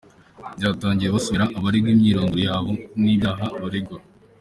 Batangiye basomera abaregwa imyirondoro yabo n’ibyaha baregwa…